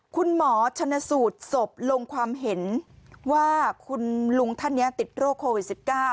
คุณหมอชนสูตรศพลงความเห็นว่าคุณลุงท่านนี้ติดโรคโควิด๑๙